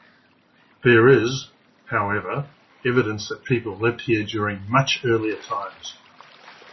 There is, however, evidence that people lived here during much earlier times.